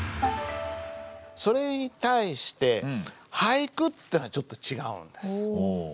それに対して俳句っていうのはちょっと違うんです。